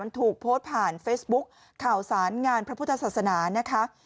ถูกโพสต์ผ่านเฟซบุ๊คข่าวสารงานพระพุทธศาสนานะคะ